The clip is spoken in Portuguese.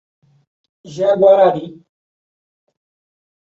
Jaguarari